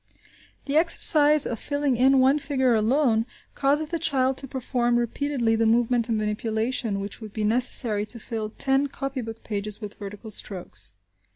The exercise of filling in one figure alone, causes the child to perform repeatedly the movement of manipulation which would be necessary to fill ten copy book pages with vertical strokes.